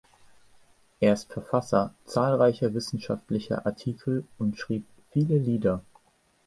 Er ist Verfasser zahlreicher wissenschaftlicher Artikel und schrieb viele Lieder.